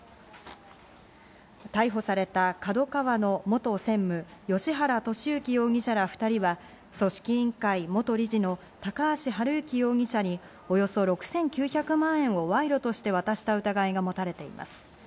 逮捕されたＫＡＤＯＫＡＷＡの元専務・芳原世幸容疑者ら２人は組織委員会・元理事の高橋治之容疑者におよそ６９００万円を賄賂として渡した疑いが持たれています。